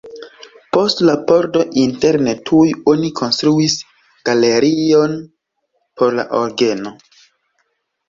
Post la pordo interne tuj oni konstruis galerion por la orgeno.